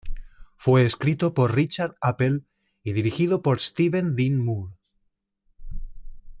Fue escrito por Richard Appel y dirigido por Steven Dean Moore.